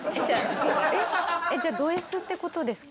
えっ？じゃあドＳってことですか？